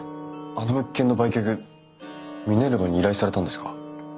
あの物件の売却ミネルヴァに依頼されたんですか？